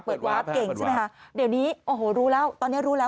วาร์ฟเก่งใช่ไหมคะเดี๋ยวนี้โอ้โหรู้แล้วตอนนี้รู้แล้ว